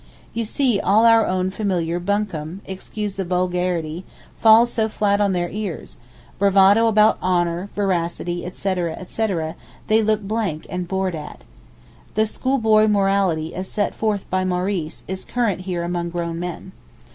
You see all our own familiar 'bunkum' (excuse the vulgarity) falls so flat on their ears, bravado about 'honour,' 'veracity,' etc., etc., they look blank and bored at. The schoolboy morality as set forth by Maurice is current here among grown men.